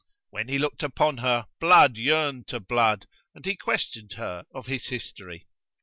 When he looked upon her, blood yearned to blood and he questioned her of his history.